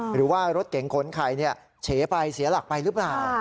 หรือว่ารถเก๋งขนไข่เฉไปเสียหลักไปหรือเปล่า